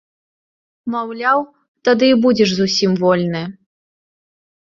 Маўляў, тады і будзеш зусім вольны.